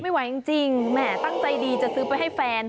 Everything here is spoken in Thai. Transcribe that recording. ไม่ไหวจริงแหมตั้งใจดีจะซื้อไปให้แฟน